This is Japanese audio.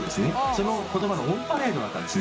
その言葉のオンパレードだったんですね。